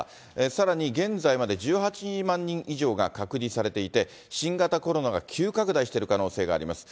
さらに現在まで１８万人以上が隔離されていて、新型コロナが急拡大している可能性があります。